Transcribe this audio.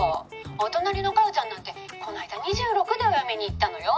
お隣のカヨちゃんなんてこの間２６でお嫁に行ったのよ」